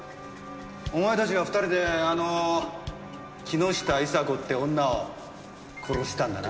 お前たちが２人であの木下伊沙子って女を殺したんだな？